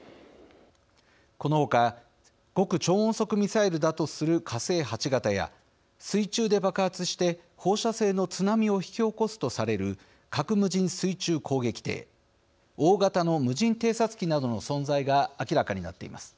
このほか極超音速ミサイルだとする火星８型や水中で爆発して放射性の津波を引き起こすとされる核無人水中攻撃艇大型の無人偵察機などの存在が明らかになっています。